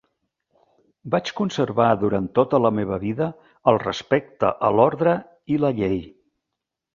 Vaig conservar durant tota la meva vida el respecte a l'ordre i la llei.